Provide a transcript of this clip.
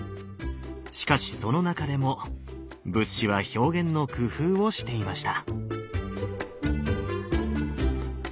しかしその中でも仏師は表現の工夫をしていました。